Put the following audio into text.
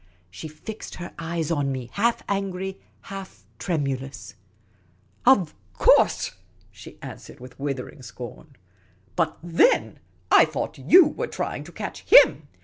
She fixed her eyes on me, half angry, half tremulous. *' Of course, '' she answered, with withering scorn. '' But, thctiy I thought you were trying to catch him.